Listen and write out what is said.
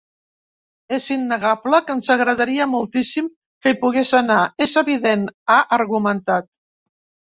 “És innegable que ens agradaria moltíssim que hi pogués anar, és evident”, ha argumentat.